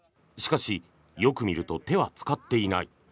しかしよく見ると手は使っていない。